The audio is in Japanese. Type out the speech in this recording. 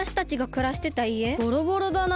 ボロボロだな。